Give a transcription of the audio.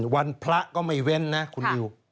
วันพระก็ไม่เว้นนะคุณนิว